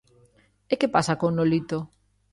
E que pasa con Nolito?